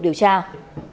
tiếp tục điều tra